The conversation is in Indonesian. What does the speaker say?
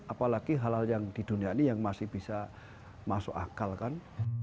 apalagi hal hal yang di dunia ini yang masih bisa masuk akal kan